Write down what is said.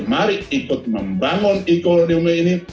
mari ikut membangun ekonorium ini